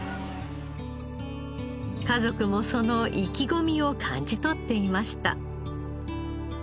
家族もその意気込みを感じ取っていました。